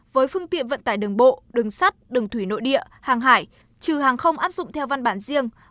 với phương tiện vận tải đường bộ đường sắt đường thủy nội địa hàng hải trừ hàng không áp dụng theo văn bản riêng